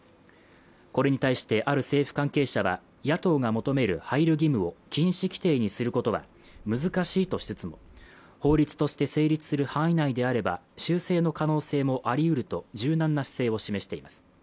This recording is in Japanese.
これに対してある政府関係者は野党が求める配慮義務を禁止規定にすることは難しいとしつつも法律として成立する範囲内であれば修正の可能性もありうると柔軟な姿勢を示しています